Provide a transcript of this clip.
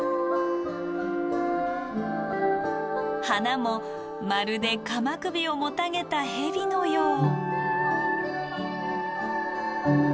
花もまるで鎌首をもたげたヘビのよう。